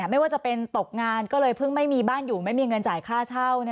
ไม่ว่าจะเป็นตกงานก็เลยเพิ่งไม่มีบ้านอยู่ไม่มีเงินจ่ายค่าเช่า